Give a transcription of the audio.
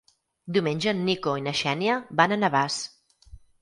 Diumenge en Nico i na Xènia van a Navàs.